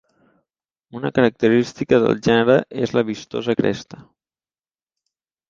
Una característica del gènere és la vistosa cresta.